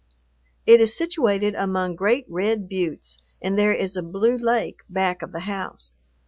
It is situated among great red buttes, and there is a blue lake back of the house.